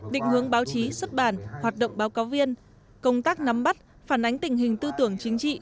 định hướng báo chí xuất bản hoạt động báo cáo viên công tác nắm bắt phản ánh tình hình tư tưởng chính trị